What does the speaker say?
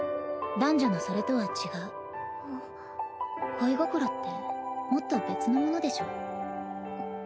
恋心ってもっと別のものでしょ？